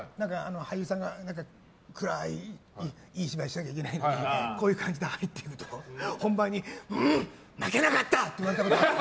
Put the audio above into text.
俳優さんが暗いいい芝居しないといけない時にこういう感じで入っていくと本番に泣けなかった！とかって。